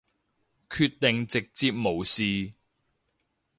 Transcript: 決定直接無視